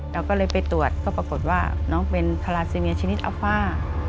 เราก็เลยไปตรวจก็ปรากฏว่าน้องเป็นคาราซิเมียชนิดอัฟ่า